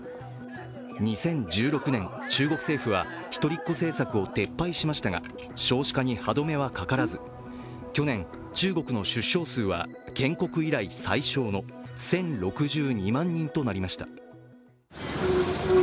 ２０１６年、中国政府は一人っ子政策を撤廃しましたが少子化に歯止めはかからず去年、中国の出生数は建国以来最少の１０６２万人となりました。